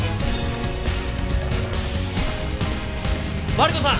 マリコさん！